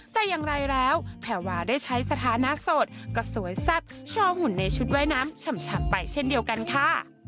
แต่ว่าได้ใช้สถานะสดก็สวยซับชอบหุ่นในชุดว่ายน้ำฉ่ำไปเช่นเดียวกันค่ะ